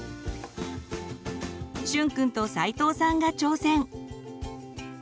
しゅんくんと齋藤さんが挑戦！